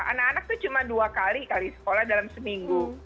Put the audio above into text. anak anak itu cuma dua kali kali sekolah dalam seminggu